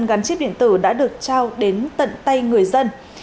gắn chip điện tử đã được trao đến tận tay người dân